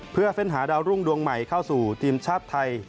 เพื่อเฟ้นหาดาวรุ่งดวงใหม่เข้าสู่ทีมชาติไทย